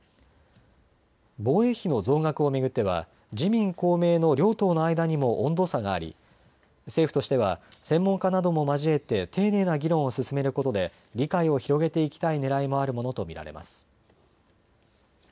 防衛費の増額を巡っては自民公明の両党の間にも温度差があり政府としては専門家なども交えて丁寧な議論を進めることで理解を広げていきたいねらいもあるものと見られます。